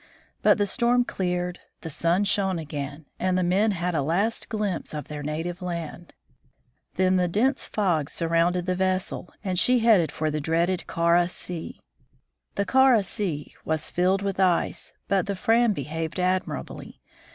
But the storm cleared, the sun shone again, and the men had a last glimpse of their native land. Then a dense fog surrounded the vessel, and she headed for the dreaded Kara sea. The Kara sea was filled with ice, but the Fram behaved admirably.